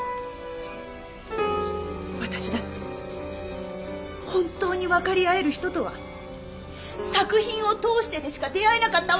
私だって本当に分かり合える人とは作品を通してでしか出会えなかったわ。